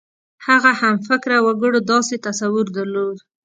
هغه همفکره وګړو داسې تصور درلود.